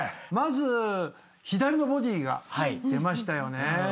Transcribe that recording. まず左のボディが出ましたよね。